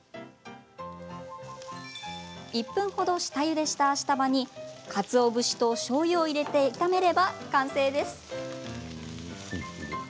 １分程、下ゆでしたアシタバにかつお節としょうゆを入れて炒めれば完成です。